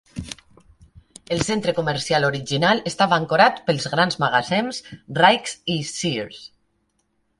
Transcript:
El centre comercial original estava ancorat pels grans magatzems Rike's i Sears.